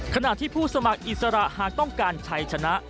ขณะที่ผู้สมัครอิสระหากต้องการชัยชนะ